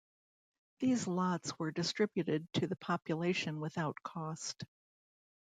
These lots were distributed to the population without cost.